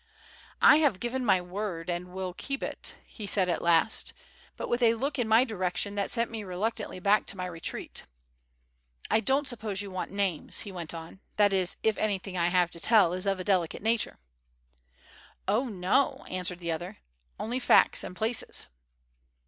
"I have given my word and will keep it," he said at last, but with a look in my direction that sent me reluctantly back to my retreat. "I don't suppose you want names," he went on; "that is, if anything I have to tell is of a delicate nature?" "Oh, no," answered the other, "only facts and places."